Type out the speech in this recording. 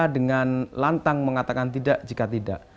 dengan lantang mengatakan tidak jika tidak